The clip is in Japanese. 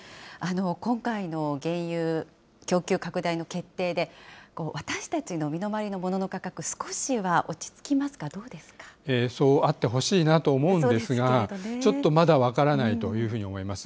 今回の原油供給拡大の決定で、私たちの身の回りのモノの価格、少そうあってほしいなと思うんですが、ちょっとまだ分からないというふうに思います。